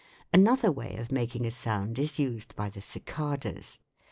Another way of making a sound is used by the cicadas.